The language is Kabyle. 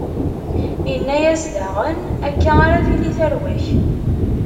Inna-yas daɣen: Akka ara tili tarwa-k.